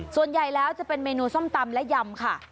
ส่วนใหญ่แล้วจะเป็นเมนูส้มตำและยำค่ะ